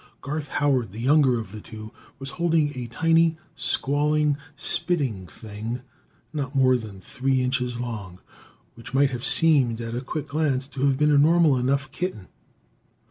Garth Howard, the younger of the two, was holding a tiny, squawling, spitting thing, not more than three inches long, which might have seemed, at a quick glance, to have been a normal enough kitten.